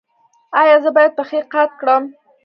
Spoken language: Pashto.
ایا زه باید پښې قات کړم؟